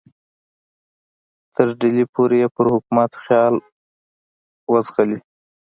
تر ډهلي پورې یې پر حکومت خیال وځغلي.